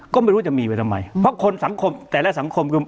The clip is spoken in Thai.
ก็ไม่รู้จะมีไปทำไมเพราะคนสังคมแต่ละสังคมคือ